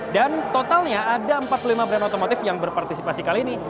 dan totalnya ada empat puluh lima brand otomotif yang berpartisipasi kali ini